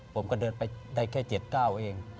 ผมก็เดินไปได้แค่๗๙เอง